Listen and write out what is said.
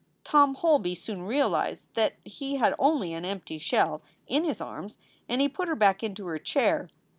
Tom Holby soon realized that he had only an empty shell in his arms and he put her back into her chair.